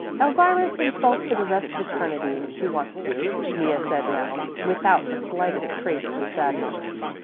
"Elvira can sulk for the rest of eternity, if she wants to," Mea said now without the slightest trace of sadness.